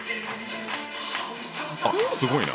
あすごいな。